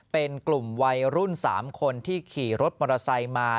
เป็นกลุ่มวัยรุ่น๓คนที่ขี่รถมอเตอร์ไซค์มา